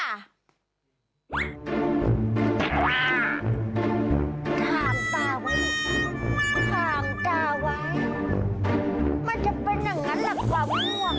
ถามตาไว้ถามตาไว้มันจะเป็นอย่างนั้นเหรอความห่วงนั่น